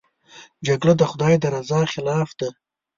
جګړه د خدای د رضا خلاف ده